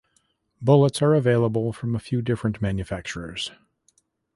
Bullets are available from a few different manufacturers.